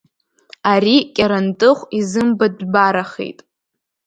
Ари Кьарантыхә изымбатәбарахеит.